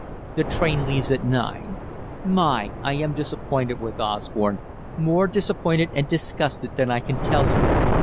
The train leaves at nine. My! I am disappointed with Osborne, more disappointed and disgusted than I can tell you.